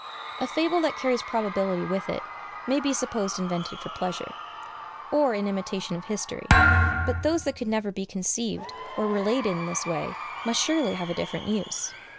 A fable that carries probability with it may be supposed invented for pleasure, or in imitation of history; but those that could never be conceived or related in this way must surely have a different use.